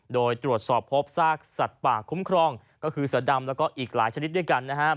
โดยตรวจสอบพบซากสัตว์ป่าคุ้มครองก็คือเสือดำแล้วก็อีกหลายชนิดด้วยกันนะครับ